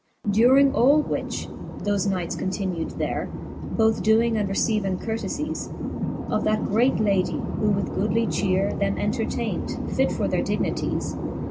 V. During all which, thofe knights continu'd there, Both doing and receiving curtefies Of that great ladie, who with goodly chere Them entertayn'd, fit for their dignities.